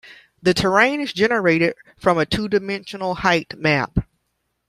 The terrain is generated from a two-dimensional heightmap.